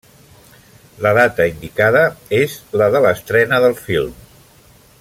La data indicada és la de l'estrena del film.